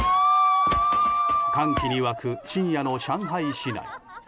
歓喜に沸く深夜の上海市内。